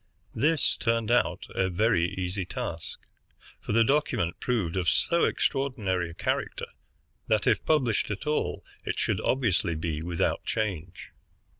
This turned out a very easy task, for the document proved of so extraordinary a character that, if published at all, it should obviously be without change.